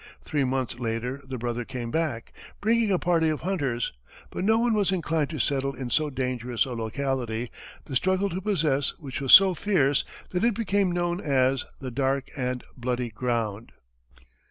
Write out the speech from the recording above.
Three months later the brother came back, bringing a party of hunters, but no one was inclined to settle in so dangerous a locality, the struggle to possess which was so fierce that it became known as "the dark and bloody ground."